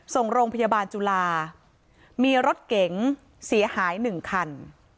ส่งโรงพยาบาลจุฬามีรถเก๋งเสียหายหนึ่งคัน